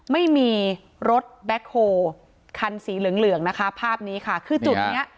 ไม่มีรถแบ็คโฮคันสีเหลืองเหลืองนะคะภาพนี้ค่ะคือจุดเนี้ย